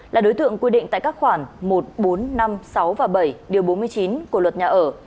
là đối tượng quy định tại các khoản một bốn năm sáu và bảy điều bốn mươi chín của luật nhà ở